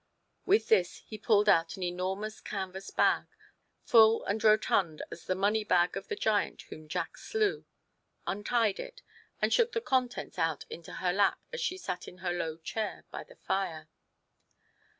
With this he pulled out an enormous canvas bag, full and rotund as the money bag of the giant whom Jack slew, untied it, and shook the contents out into her lap as she sat in her low chair by the fire.